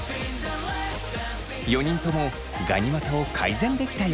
４人ともガニ股を改善できたようです。